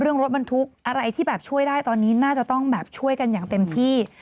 รถบรรทุกอะไรที่แบบช่วยได้ตอนนี้น่าจะต้องแบบช่วยกันอย่างเต็มที่